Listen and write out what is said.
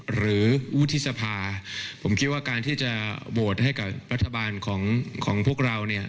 หรือวุฒิสภาผมคิดว่าการที่จะโหวตให้กับรัฐบาลของพวกเราเนี่ย